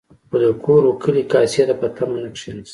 خو د کورو کلي کاسې ته په تمه نه کېناست.